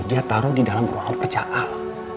dia ada di dalam ruangan kerja al